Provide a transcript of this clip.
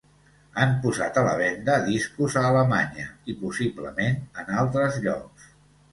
Han posat a la venda discos a Alemanya i possiblement en altres llocs.